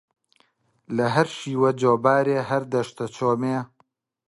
لە هەر شیوە جۆبارێ هەر دەشتە چۆمێ